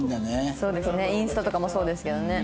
そうですねインスタとかもそうですけどね。